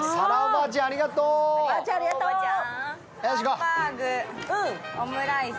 ハンバーグ、オムライス。